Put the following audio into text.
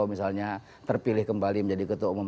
misalnya terpilih kembali menjadi ketua umum